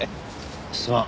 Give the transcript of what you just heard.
すまん。